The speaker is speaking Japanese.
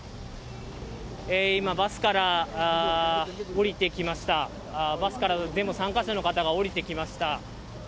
今、バスから降りてきました、バスからデモ参加者の方が降りてきました。